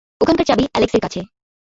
ওখানকার চাবি অ্যালেক্সের কাছে।